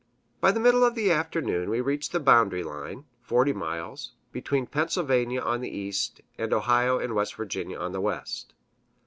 By the middle of the afternoon we reached the boundary line (40 miles) between Pennsylvania on the east and Ohio and West Virginia on the west.